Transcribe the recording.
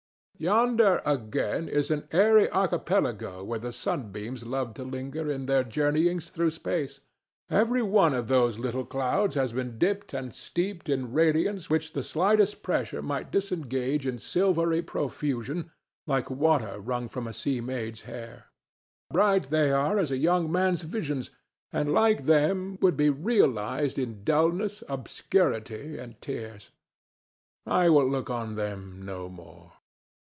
Yonder, again, is an airy archipelago where the sunbeams love to linger in their journeyings through space. Every one of those little clouds has been dipped and steeped in radiance which the slightest pressure might disengage in silvery profusion like water wrung from a sea maid's hair. Bright they are as a young man's visions, and, like them, would be realized in dullness, obscurity and tears. I will look on them no more.